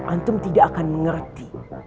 antum tidak akan mengerti